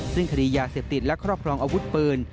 ซึ่งคดียาเสพติดและครอบครองอาวุธปืน